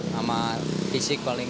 sama fisik paling penting